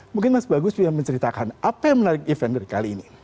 mungkin mas bagus bisa menceritakan apa yang menarik event dari kali ini